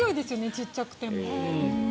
小さくても。